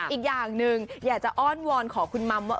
อีกอย่างหนึ่งอยากจะอ้อนวอนขอคุณมัมว่า